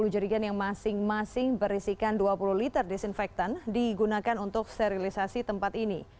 sepuluh jerigan yang masing masing berisikan dua puluh liter disinfektan digunakan untuk sterilisasi tempat ini